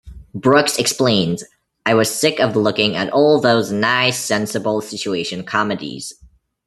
Brooks explains, I was sick of looking at all those nice sensible situation comedies.